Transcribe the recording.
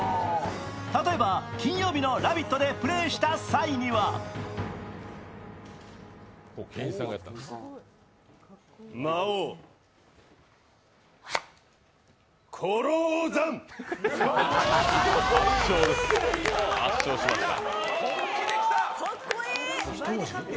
例えば、金曜日の「ラヴィット！」でプレーした際には圧勝しました。